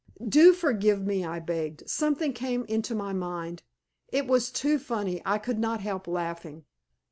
"Do forgive me," I begged. "Something came into my mind. It was too funny. I could not help laughing."